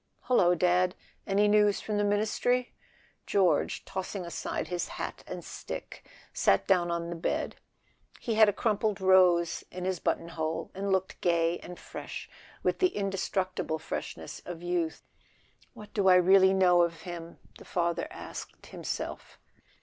"Hullo, Dad—any news from the Ministry?" George, tossing aside his hat and stick, sat down on the bed. He had a crumpled rose in his button hole, and looked gay and fresh, with the indestructible fresh¬ ness of youth. A SON AT THE FRONT "What do I really know of him?" the father asked himself.